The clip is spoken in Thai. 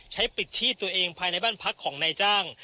ใช้ปิดชีพตัวเองภายในบ้านพักของนายจ้าง